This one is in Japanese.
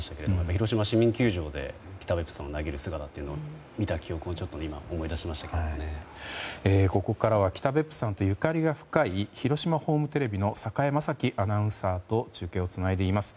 広島市民球場で北別府さんの投げる姿をここからは北別府さんとゆかりが深い広島ホームテレビの榮真樹アナウンサーと中継をつないでいます。